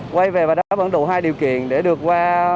quay về và đáp vẫn đủ hai điều kiện để được qua